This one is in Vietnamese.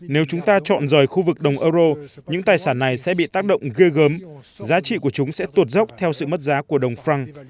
nếu chúng ta chọn rời khu vực đồng euro những tài sản này sẽ bị tác động ghê gớm giá trị của chúng sẽ tụt dốc theo sự mất giá của đồng fran